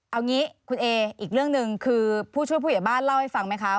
เอางี้คุณเออีกเรื่องหนึ่งคือผู้ช่วยผู้ใหญ่บ้านเล่าให้ฟังไหมคะ